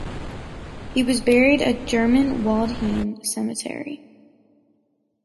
He was buried at German Waldheim Cemetery.